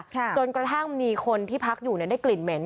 จนกระทั่งมีคนที่พักอยู่เนี่ยได้กลิ่นเหม็น